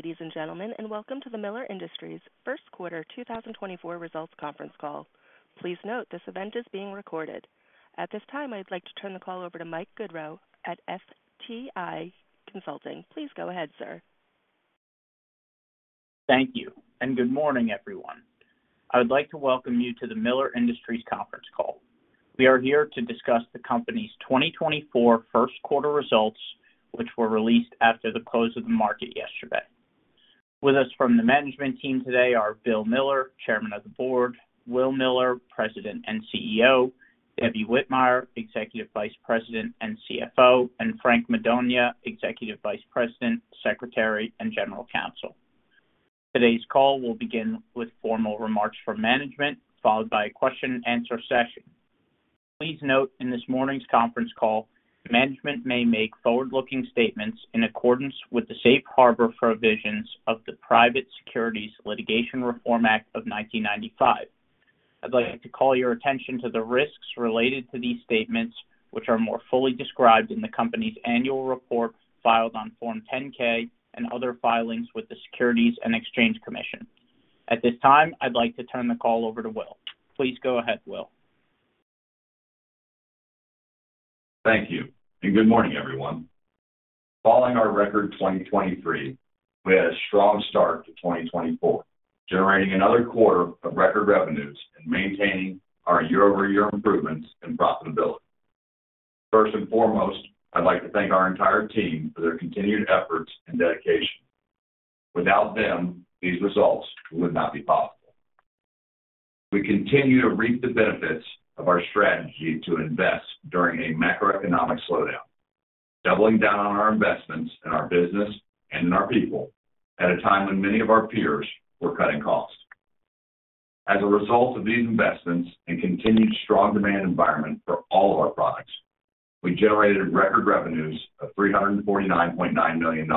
Good day, ladies and gentlemen, and welcome to the Miller Industries First Quarter 2024 Results Conference Call. Please note this event is being recorded. At this time, I'd like to turn the call over to Mike Gaudreau at FTI Consulting. Please go ahead, sir. Thank you, and good morning, everyone. I would like to welcome you to the Miller Industries Conference Call. We are here to discuss the company's 2024 First Quarter Results, which were released after the close of the market yesterday. With us from the management team today are Bill Miller, Chairman of the Board. Will Miller, President and CEO. Debbie Whitmire, Executive Vice President and CFO. And Frank Madonia, Executive Vice President, Secretary, and General Counsel. Today's call will begin with formal remarks from management, followed by a question-and-answer session. Please note in this morning's conference call, management may make forward-looking statements in accordance with the Safe Harbor provisions of the Private Securities Litigation Reform Act of 1995. I'd like to call your attention to the risks related to these statements, which are more fully described in the company's annual report filed on Form 10-K and other filings with the Securities and Exchange Commission. At this time, I'd like to turn the call over to Will. Please go ahead, Will. Thank you, and good morning, everyone. Following our record 2023, we had a strong start to 2024, generating another quarter of record revenues and maintaining our year-over-year improvements in profitability. First and foremost, I'd like to thank our entire team for their continued efforts and dedication. Without them, these results would not be possible. We continue to reap the benefits of our strategy to invest during a macroeconomic slowdown, doubling down on our investments in our business and in our people at a time when many of our peers were cutting costs. As a result of these investments and continued strong demand environment for all of our products, we generated record revenues of $349.9 million,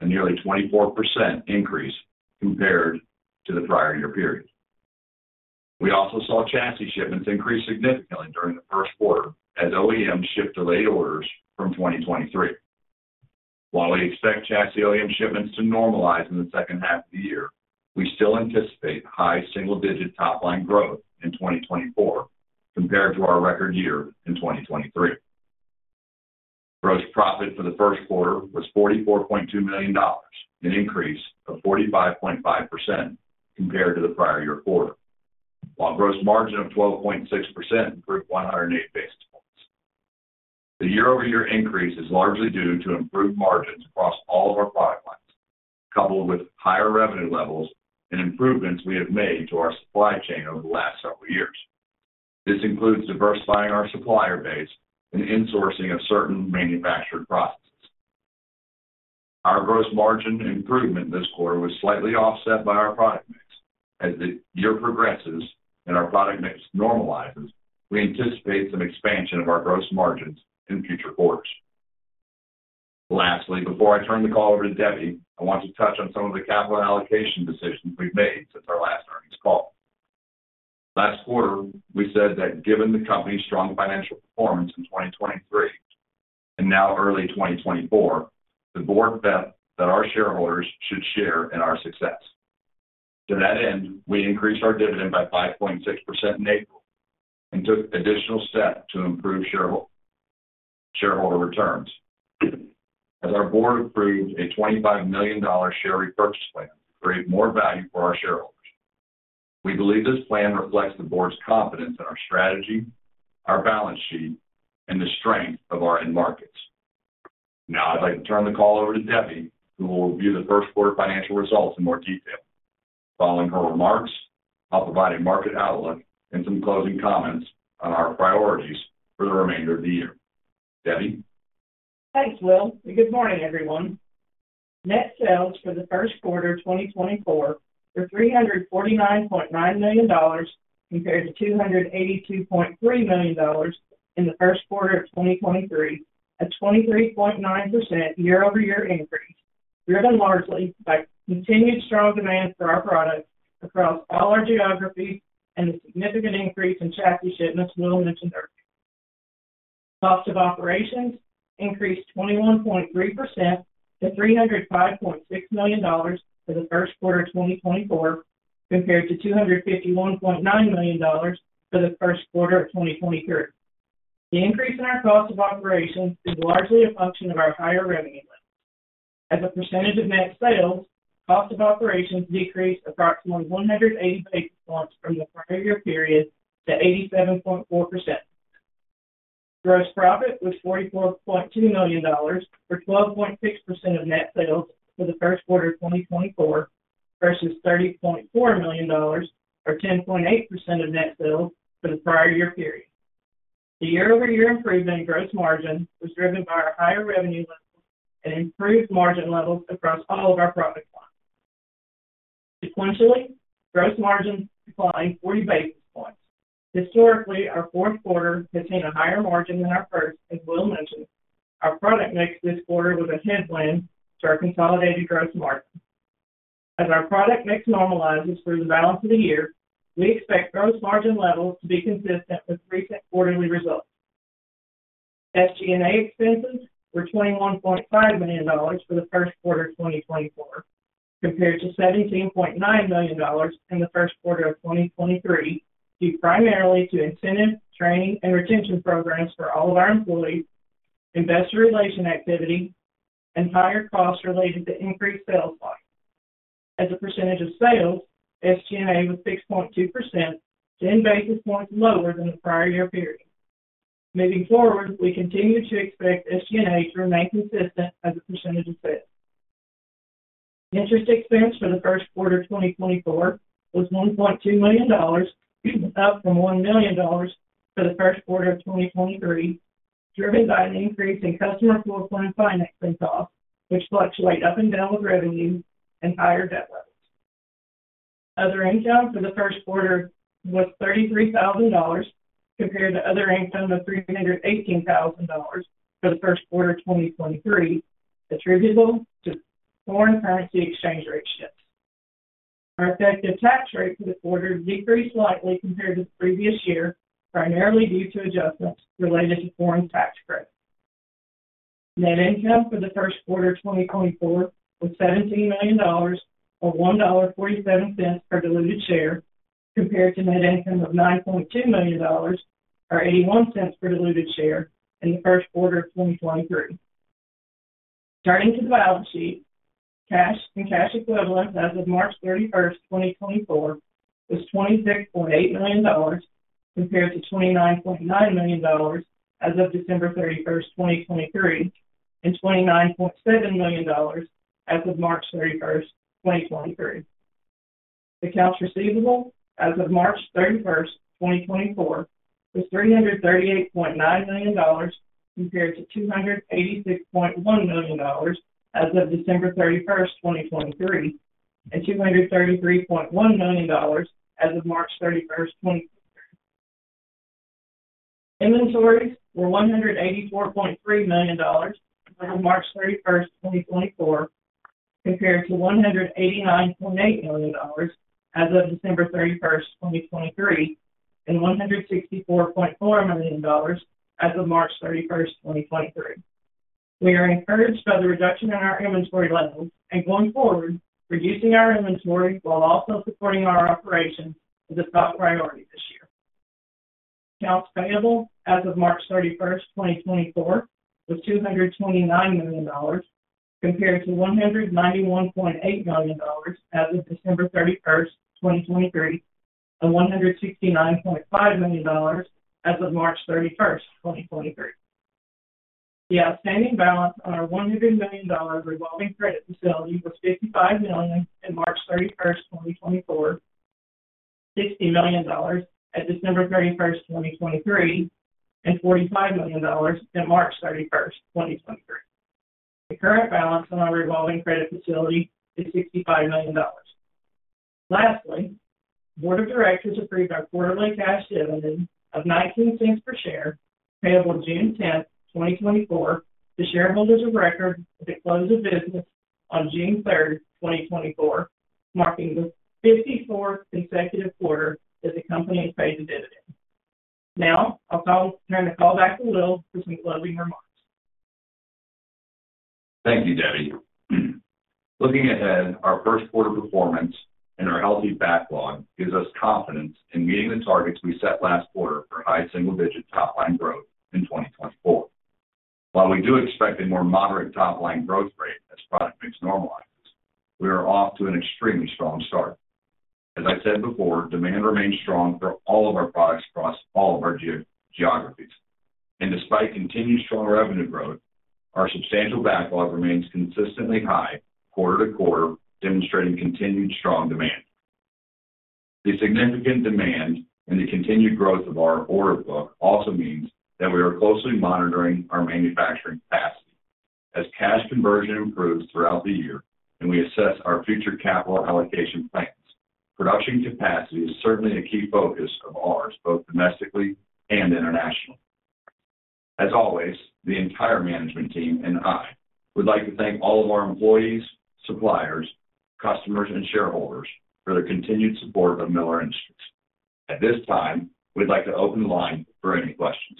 a nearly 24% increase compared to the prior year period. We also saw chassis shipments increase significantly during the first quarter as OEMs shipped delayed orders from 2023. While we expect chassis OEM shipments to normalize in the second half of the year, we still anticipate high single-digit top-line growth in 2024 compared to our record year in 2023. Gross profit for the first quarter was $44.2 million, an increase of 45.5% compared to the prior year quarter, while gross margin of 12.6% improved 108 basis points. The year-over-year increase is largely due to improved margins across all of our product lines, coupled with higher revenue levels and improvements we have made to our supply chain over the last several years. This includes diversifying our supplier base and insourcing of certain manufactured processes. Our gross margin improvement this quarter was slightly offset by our product mix. As the year progresses and our product mix normalizes, we anticipate some expansion of our gross margins in future quarters. Lastly, before I turn the call over to Debbie, I want to touch on some of the capital allocation decisions we've made since our last earnings call. Last quarter, we said that given the company's strong financial performance in 2023 and now early 2024, the board bet that our shareholders should share in our success. To that end, we increased our dividend by 5.6% in April and took additional steps to improve shareholder returns. As our board approved a $25 million share repurchase plan to create more value for our shareholders, we believe this plan reflects the board's confidence in our strategy, our balance sheet, and the strength of our end markets. Now, I'd like to turn the call over to Debbie, who will review the first quarter financial results in more detail. Following her remarks, I'll provide a market outlook and some closing comments on our priorities for the remainder of the year. Debbie? Thanks, Will, and good morning, everyone. Net sales for the first quarter 2024 were $349.9 million compared to $282.3 million in the first quarter of 2023, a 23.9% year-over-year increase driven largely by continued strong demand for our products across all our geographies and the significant increase in chassis shipments Will mentioned earlier. Cost of operations increased 21.3% to $305.6 million for the first quarter 2024 compared to $251.9 million for the first quarter of 2023. The increase in our cost of operations is largely a function of our higher revenue limits. As a percentage of net sales, cost of operations decreased approximately 180 basis points from the prior year period to 87.4%. Gross profit was $44.2 million or 12.6% of net sales for the first quarter 2024 versus $30.4 million or 10.8% of net sales for the prior year period. The year-over-year improvement in gross margin was driven by our higher revenue levels and improved margin levels across all of our product lines. Sequentially, gross margins declined 40 basis points. Historically, our fourth quarter has seen a higher margin than our first, as Will mentioned. Our product mix this quarter was a headwind to our consolidated gross margin. As our product mix normalizes through the balance of the year, we expect gross margin levels to be consistent with recent quarterly results. SG&A expenses were $21.5 million for the first quarter 2024 compared to $17.9 million in the first quarter of 2023, due primarily to incentive, training, and retention programs for all of our employees, investor relations activity, and higher costs related to increased sales volume. As a percentage of sales, SG&A was 6.2%, 10 basis points lower than the prior year period. Moving forward, we continue to expect SG&A to remain consistent as a percentage of sales. Interest expense for the first quarter 2024 was $1.2 million, up from $1 million for the first quarter of 2023, driven by an increase in customer floor plan financing costs, which fluctuate up and down with revenue and higher debt levels. Other income for the first quarter was $33,000 compared to other income of $318,000 for the first quarter 2023, attributable to foreign currency exchange rate shifts. Our effective tax rate for the quarter decreased slightly compared to the previous year, primarily due to adjustments related to foreign tax credits. Net income for the first quarter 2024 was $17 million or $1.47 per diluted share compared to net income of $9.2 million or $0.81 per diluted share in the first quarter of 2023. Turning to the balance sheet, cash and cash equivalents as of March 31st, 2024, was $26.8 million compared to $29.9 million as of December 31st, 2023, and $29.7 million as of March 31st, 2023. Accounts receivables as of March 31st, 2024, was $338.9 million compared to $286.1 million as of December 31st, 2023, and $233.1 million as of March 31st, 2023. Inventories were $184.3 million as of March 31st, 2024, compared to $189.8 million as of December 31st, 2023, and $164.4 million as of March 31st, 2023. We are encouraged by the reduction in our inventory levels and, going forward, reducing our inventory while also supporting our operations as a top priority this year. Accounts payable as of March 31st, 2024, was $229 million compared to $191.8 million as of December 31st, 2023, and $169.5 million as of March 31st, 2023. The outstanding balance on our $100 million revolving credit facility was $55 million in March 31st, 2024, $60 million at December 31st, 2023, and $45 million in March 31st, 2023. The current balance on our revolving credit facility is $65 million. Lastly, the board of directors approved our quarterly cash dividend of $0.19 per share, payable June 10th, 2024, to shareholders of record at the close of business on June 3rd, 2024, marking the 54th consecutive quarter that the company has paid the dividend. Now, I'll turn the call back to Will for some closing remarks. Thank you, Debbie. Looking ahead, our first quarter performance and our healthy backlog gives us confidence in meeting the targets we set last quarter for high single-digit top-line growth in 2024. While we do expect a more moderate top-line growth rate as product mix normalizes, we are off to an extremely strong start. As I said before, demand remains strong for all of our products across all of our geographies. Despite continued strong revenue growth, our substantial backlog remains consistently high quarter to quarter, demonstrating continued strong demand. The significant demand and the continued growth of our order book also means that we are closely monitoring our manufacturing capacity as cash conversion improves throughout the year and we assess our future capital allocation plans. Production capacity is certainly a key focus of ours, both domestically and internationally. As always, the entire management team and I would like to thank all of our employees, suppliers, customers, and shareholders for their continued support of Miller Industries. At this time, we'd like to open the line for any questions.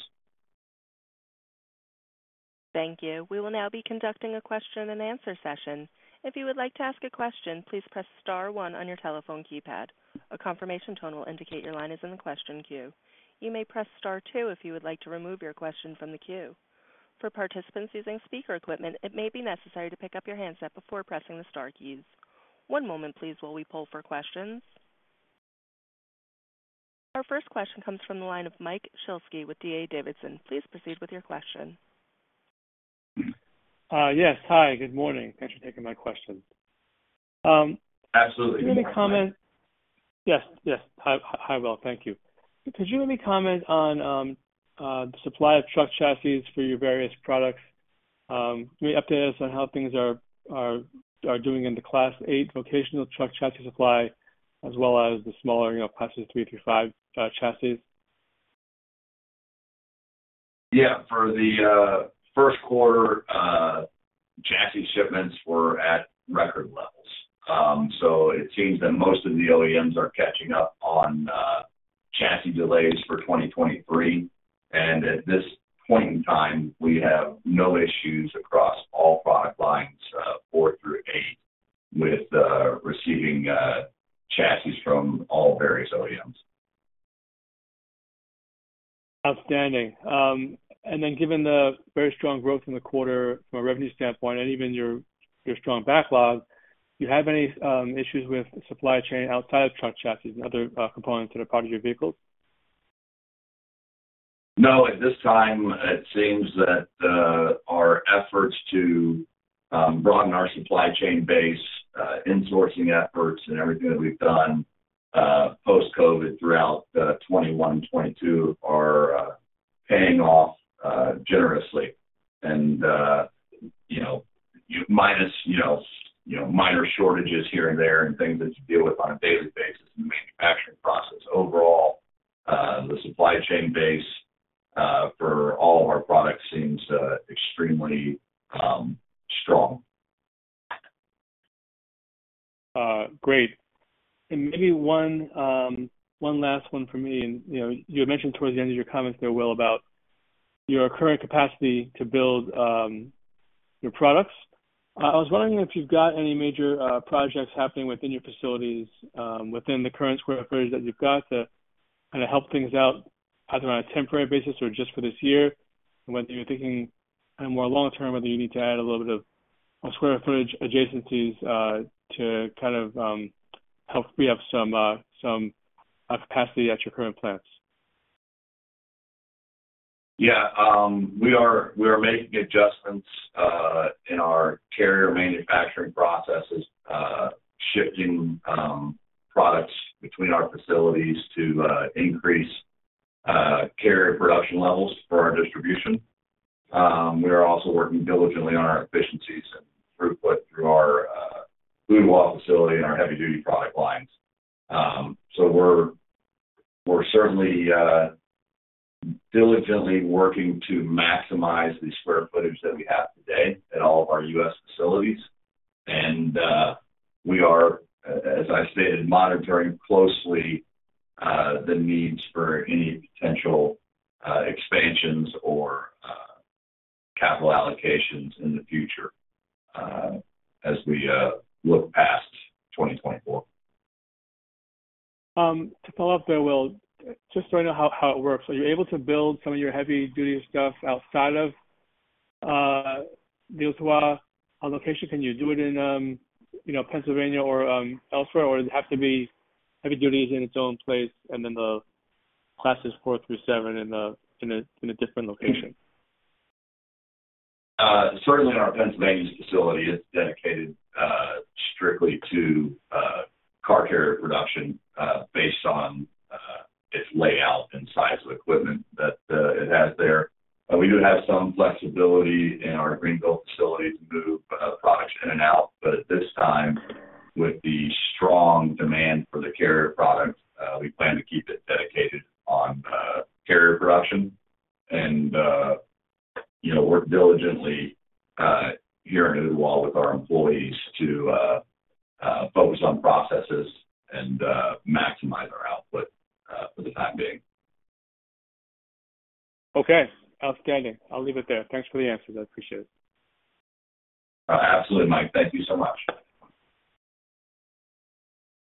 Thank you. We will now be conducting a question-and-answer session. If you would like to ask a question, please press star one on your telephone keypad. A confirmation tone will indicate your line is in the question queue. You may press star two if you would like to remove your question from the queue. For participants using speaker equipment, it may be necessary to pick up your handset before pressing the star keys. One moment, please, while we pull for questions. Our first question comes from the line of Mike Shlisky with D.A. Davidson. Please proceed with your question. Yes. Hi. Good morning. Thanks for taking my question. Absolutely. Do you want to comment? Yes. Yes. Hi, Will. Thank you. Could you leave me comment on the supply of truck chassis for your various products? Give me updates on how things are doing in the Class 8 vocational truck chassis supply as well as the smaller Classes 3 through 5 chassis. Yeah. For the first quarter, chassis shipments were at record levels. So it seems that most of the OEMs are catching up on chassis delays for 2023. And at this point in time, we have no issues across all product lines 4 through 8 with receiving chassis from all various OEMs. Outstanding. And then given the very strong growth in the quarter from a revenue standpoint and even your strong backlog, do you have any issues with supply chain outside of truck chassis and other components that are part of your vehicles? No. At this time, it seems that our efforts to broaden our supply chain base, insourcing efforts, and everything that we've done post-COVID throughout 2021 and 2022 are paying off generously. And minus minor shortages here and there and things that you deal with on a daily basis in the manufacturing process, overall, the supply chain base for all of our products seems extremely strong. Great. Maybe one last one for me. You had mentioned towards the end of your comments there, Will, about your current capacity to build your products. I was wondering if you've got any major projects happening within your facilities, within the current square footage that you've got, to kind of help things out either on a temporary basis or just for this year, and whether you're thinking kind of more long-term, whether you need to add a little bit of square footage adjacencies to kind of help rehab some capacity at your current plants. Yeah. We are making adjustments in our carrier manufacturing processes, shifting products between our facilities to increase carrier production levels for our distribution. We are also working diligently on our efficiencies and throughput through our Blue Wall facility and our heavy-duty product lines. So we're certainly diligently working to maximize the square footage that we have today at all of our U.S. facilities. And we are, as I stated, monitoring closely the needs for any potential expansions or capital allocations in the future as we look past 2024. To follow up there, Will, just so I know how it works, are you able to build some of your heavy-duty stuff outside of Ooltewah on location? Can you do it in Pennsylvania or elsewhere, or does it have to be heavy duties in its own place and then the Classes 4-7 in a different location? Certainly, in our Pennsylvania facility, it's dedicated strictly to car carrier production based on its layout and size of equipment that it has there. We do have some flexibility in our Greeneville facility to move products in and out. But at this time, with the strong demand for the carrier product, we plan to keep it dedicated on carrier production and work diligently here in Ooltewah with our employees to focus on processes and maximize our output for the time being. Okay. Outstanding. I'll leave it there. Thanks for the answers. I appreciate it. Absolutely, Mike. Thank you so much.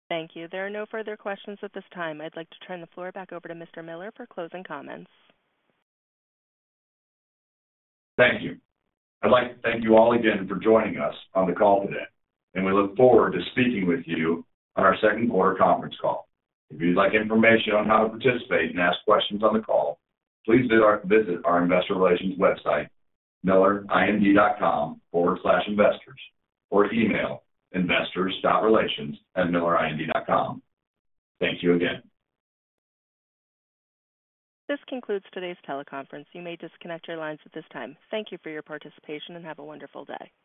Thank you. There are no further questions at this time. I'd like to turn the floor back over to Mr. Miller for closing comments. Thank you. I'd like to thank you all again for joining us on the call today. We look forward to speaking with you on our second quarter conference call. If you'd like information on how to participate and ask questions on the call, please visit our investor relations website, millerind.com/investors, or email investor.relations@millerind.com. Thank you again. This concludes today's teleconference. You may disconnect your lines at this time. Thank you for your participation and have a wonderful day.